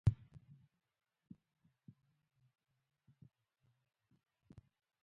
ادب ټولې نظریې انساني یا بشري دي.